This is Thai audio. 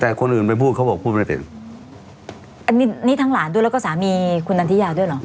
แต่คนอื่นไปพูดเขาบอกพูดไม่เป็นอันนี้นี่ทั้งหลานด้วยแล้วก็สามีคุณนันทิยาด้วยเหรอ